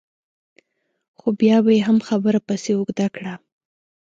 خو بیا به یې هم خبره پسې اوږده کړه.